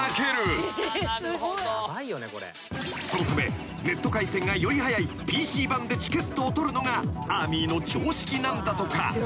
［そのためネット回線がより速いＰＣバンでチケットを取るのがＡＲＭＹの常識なんだとか］